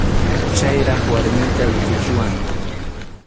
Chayraq warmiyta rikuchiwanku.